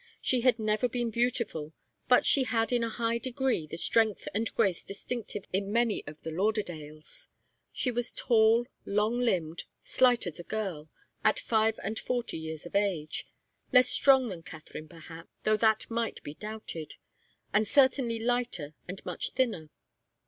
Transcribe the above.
She had never been beautiful, but she had in a high degree the strength and grace distinctive in many of the Lauderdales. She was tall, long limbed, slight as a girl, at five and forty years of age, less strong than Katharine, perhaps, though that might be doubted, and certainly lighter and much thinner.